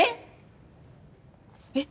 えっ！？